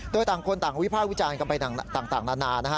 โดยต่างคนต่างวิพาทวิจารณ์กำลังไปต่างนาน